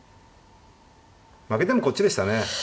負けてもこっちでしたね。